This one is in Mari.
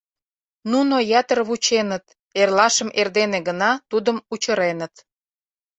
Нуно ятыр вученыт, эрлашым эрдене гына тудым учыреныт.